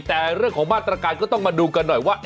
แต่เรื่องของมาตรการก็ต้องมาดูกันหน่อยว่า